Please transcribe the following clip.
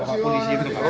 polisi itu pak